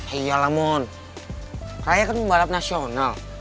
ya iyalah mon ray kan pembalap nasional